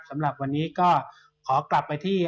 สำหรับวันนี้ก็ขอกลับไปที่